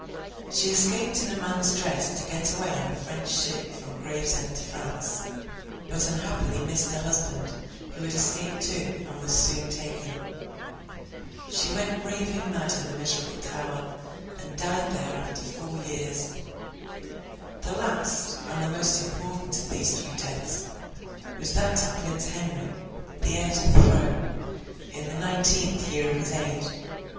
She escaped in a man's dress to get away in a French ship from Gravesend to France, but unhappily missed her husband, who had escaped too, and was soon taken. She went raving mad in the miserable Tower, and died there after four years. The last, and the most important of these three deaths, was that of Prince Henry, the heir to the throne, in the nineteenth year of his age.